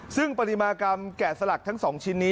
ซึ่งปฏิมากรรมแกะสลักทั้ง๒ชิ้นนี้